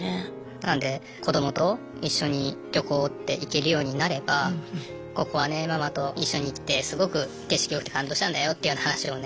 なので子どもと一緒に旅行って行けるようになればここはねママと一緒に来てすごく景色良くて感動したんだよっていうような話をね